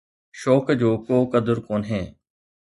شوق جو ڪو قدر ڪونهي